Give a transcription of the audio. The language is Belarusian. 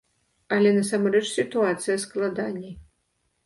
Але насамрэч сітуацыя складаней.